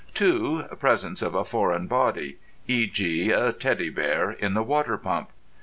(2) Presence of a foreign body. E.g., a Teddy Bear in the water pump.